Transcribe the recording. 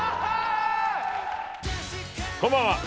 こんばんは。